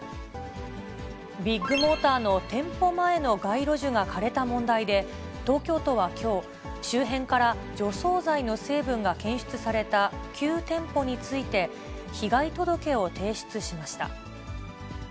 ビッグモーターの店舗前の街路樹が枯れた問題で、東京都はきょう、周辺から除草剤の成分が検出された９店舗について、被害届を提出しました。